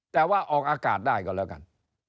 แต่ว่าออกอากาศได้ก็แล้วกัน